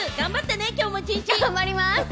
頑張ります！